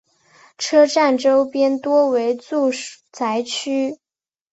车站周边多为住宅区。